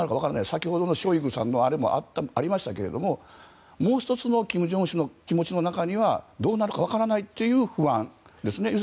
先ほどのショイグさんのあれもありましたけれど、もう１つの金正恩氏の気持ちの中にはどうなるか分からないという不安ですね。